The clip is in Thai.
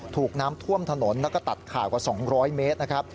ถูกน้ำท่วมถนนแล้วก็ตัดขาดกว่า๒๐๐เมตรนะครับ